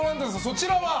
そちらは？